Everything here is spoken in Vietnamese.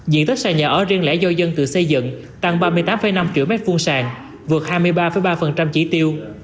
diện tích sàn nhà ở riêng lẻ do dân tự xây dựng tăng ba mươi tám năm triệu m hai sàng vượt hai mươi ba ba chỉ tiêu